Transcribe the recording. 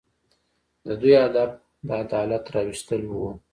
د دوی هدف د عدالت راوستل وو.